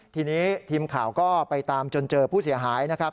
ทีนี้ทีมข่าวก็ไปตามจนเจอผู้เสียหายนะครับ